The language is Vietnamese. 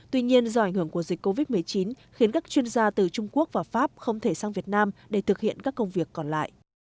tuy nhiên do ảnh hưởng của dịch covid một mươi chín khiến các chuyên gia từ trung quốc và pháp không thể sang việt nam để thực hiện các công việc còn lại